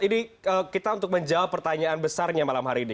ini kita untuk menjawab pertanyaan besarnya malam hari ini